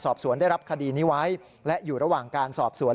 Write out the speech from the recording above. สอบสวนได้รับคดีนี้ไว้และอยู่ระหว่างการสอบสวน